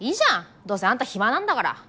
どうせあんた暇なんだから！